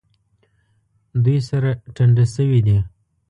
دوی سره ټنډه شوي دي.